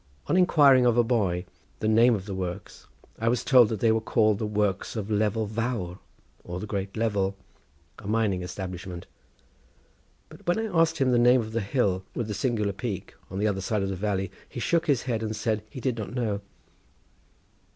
On inquiring of a boy the name of the works I was told that they were called the works of Level Vawr, or the Great Level, a mining establishment; but when I asked him the name of the hill with the singular peak, on the other side of the valley, he shook his head and said he did not know.